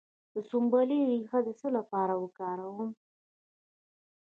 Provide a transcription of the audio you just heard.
د سنبل ریښه د څه لپاره وکاروم؟